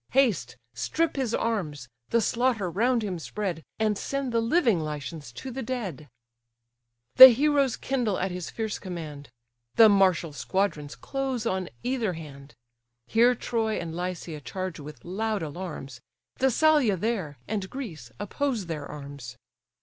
Haste, strip his arms, the slaughter round him spread, And send the living Lycians to the dead." The heroes kindle at his fierce command; The martial squadrons close on either hand: Here Troy and Lycia charge with loud alarms, Thessalia there, and Greece, oppose their arms.